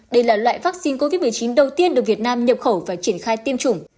đây là loại vaccine covid một mươi chín đầu tiên được việt nam nhập khẩu và triển khai tiêm chủng